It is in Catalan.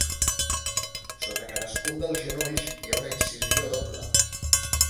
Sota cadascun dels genolls hi ha una incisió doble.